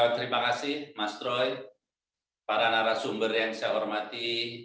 terima kasih mas roy para narasumber yang saya hormati